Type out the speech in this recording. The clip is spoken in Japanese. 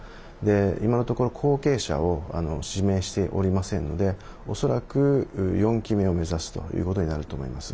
今のところ、後継者を指名しておりませんので恐らく４期目を目指すということになると思います。